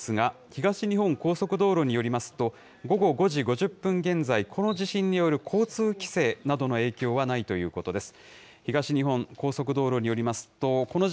東日本高速道路によりますと、この地震による交通規制などの影響はないということです。